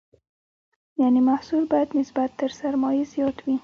یعنې محصول باید نسبت تر سرمایې زیات وي.